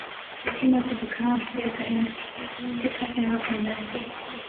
اِنّاں کو دکھنڑا آسطے اِتھّا اینڑا پیندا اے۔